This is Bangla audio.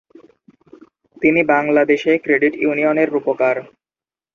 তিনি বাংলাদেশে ক্রেডিট ইউনিয়নের রূপকার।